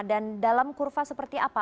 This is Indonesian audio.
dan dalam kurva seperti apa